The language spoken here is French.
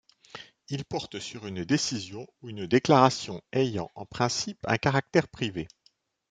Il porte sur une décision ou une déclaration ayant, en principe, un caractère privé.